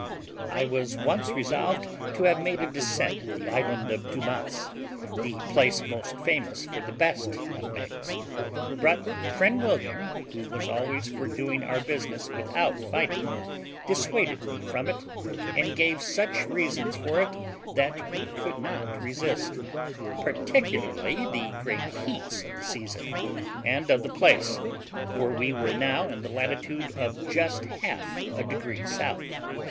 I was once resolved to have made a descent at the island of Dumas, the place most famous for the best nutmegs; but friend William, who was always for doing our business without fighting, dissuaded me from it, and gave such reasons for it that we could not resist; particularly the great heats of the season, and of the place, for we were now in the latitude of just half a degree south.